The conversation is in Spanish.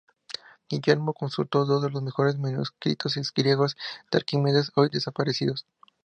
Guillermo consultó dos de los mejores manuscritos griegos de Arquímedes, hoy desaparecidos.